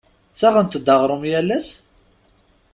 Ttaɣent-d aɣrum yal ass?